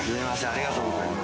ありがとうございます。